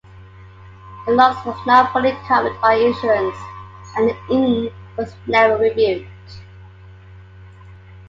The loss was not fully covered by insurance, and the inn was never rebuilt.